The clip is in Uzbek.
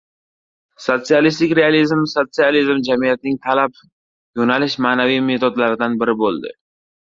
Sotsialistik realizm-sotsializm jamiyatining talab, yo‘nalish, ma’naviy metodlaridan biri bo‘ldi.